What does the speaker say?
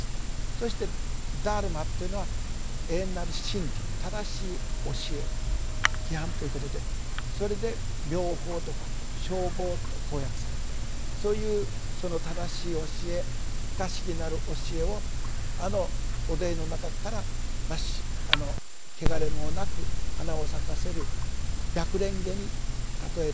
そして「ダルマ」というのは永遠なる真理正しい教え規範ということでそれで「妙法」とか「正法」とこう訳されてそういう正しい教え不可思議なる教えをあの汚泥の中から穢れもなく花を咲かせる白蓮華に例えた。